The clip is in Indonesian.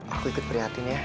aku ikut prihatin ya